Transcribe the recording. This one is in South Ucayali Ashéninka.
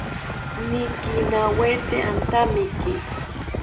Nikinawete antamiki